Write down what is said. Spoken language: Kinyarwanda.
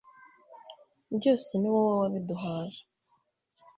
byose, ni wowe wabiduhaye